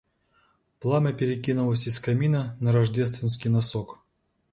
Пламя перекинулось из камина на рождественский носок.